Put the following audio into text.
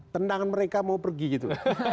tendangan mereka mau pergi gitu